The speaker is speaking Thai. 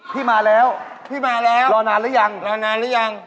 ที่เราเชิญไปไหมวิ่ง